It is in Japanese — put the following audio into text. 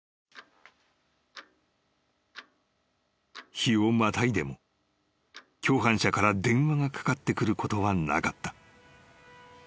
［日をまたいでも共犯者から電話がかかってくることはなかった］